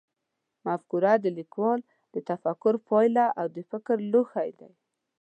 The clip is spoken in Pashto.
مفکوره د لیکوال د تفکر پایله او د فکر لوښی دی.